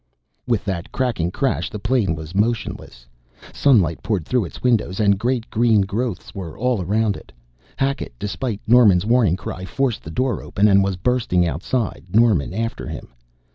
With that cracking crash the plane was motionless. Sunlight poured through its windows, and great green growths were all around it. Hackett, despite Norman's warning cry, forced the door open and was bursting outside, Norman after him.